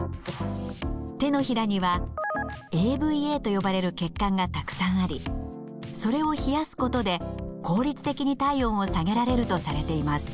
手のひらにはＡＶＡと呼ばれる血管がたくさんありそれを冷やすことで効率的に体温を下げられるとされています。